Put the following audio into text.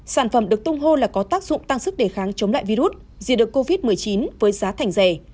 sản phẩm được tung hô là có tác dụng tăng sức đề kháng chống lại virus gì được covid một mươi chín với giá thành rẻ